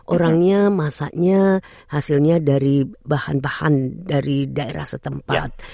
orangnya masaknya hasilnya dari bahan bahan dari daerah setempat